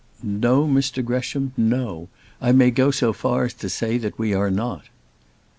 "No, Mr Gresham, no; I may go so far as to say we are not."